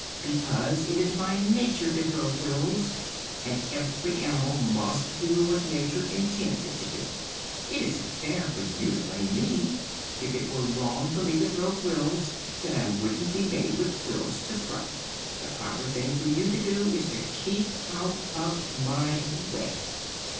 "Because it is my nature to throw quills, and every animal must do what Nature intends it to do. It isn't fair for you to blame me. If it were wrong for me to throw quills, then I wouldn't be made with quills to throw. The proper thing for you to do is to keep out of my way."